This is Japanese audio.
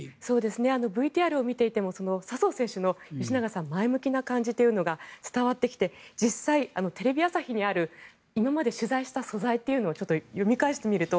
ＶＴＲを見ていても笹生選手の前向きな感じというのが伝わってきて実際、テレビ朝日にある今まで取材した素材をちょっと読み返してみると